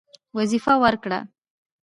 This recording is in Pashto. وظیفه ورکړه.